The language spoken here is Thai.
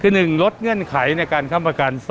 คือ๑ลดเงื่อนไขในการค้ำประกัน